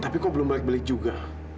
tapi kok belum balik beli juga